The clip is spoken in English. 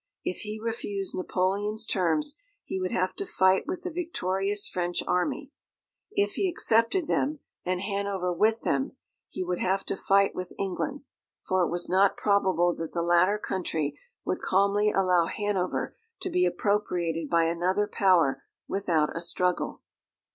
If he refused Napoleon's terms, he would have to fight with the victorious French army; if he accepted them, and Hanover with them, he would have to fight with England; for it was not probable that the latter country would calmly allow Hanover to be appropriated by another Power without a struggle.